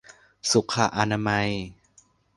สุขอนามัย